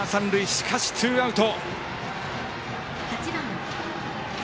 しかし、ツーアウト。